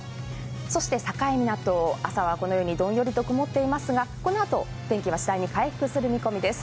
そして境港、朝はどんよりと曇っていますがこのあと天気はしだいに回復する見込みです。